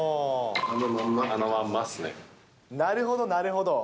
なるほど、なるほど。